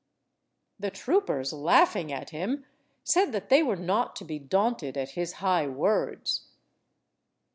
The troopers, laughing at him, said that they were not to be daunted at his high words.